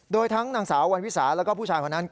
โดยทั้งนางสาววันวิสาแล้วก็ผู้ชายคนนั้น